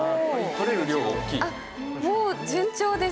取れる量がおっきい。